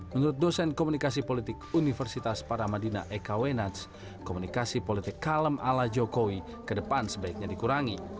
menurut dosen komunikasi politik universitas paramadina eka wenats komunikasi politik kalem ala jokowi ke depan sebaiknya dikurangi